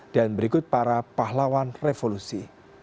dan berikut para pahlawan revolusi